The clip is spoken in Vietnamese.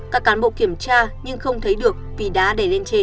các cán bộ kiểm tra nhưng không thấy được vì đã đầy lên trên